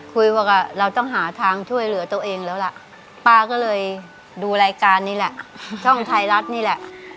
ก็เลยดูรายการนี่แหละช่องไทยรัฐนี่แหละ